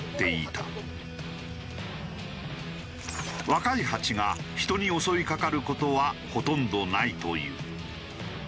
若いハチが人に襲いかかる事はほとんどないという。